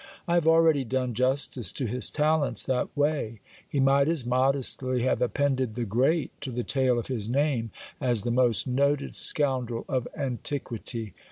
I have already done justice to his talents that way ; he might as modestly have appended "the great'' to the tail of his name, as the most noted scoundrel of antiquity.